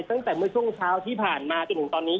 ตั้งแต่เมื่อช่วงเช้าที่ผ่านมาจนถึงตอนนี้